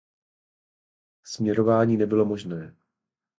Směrování nebylo možné.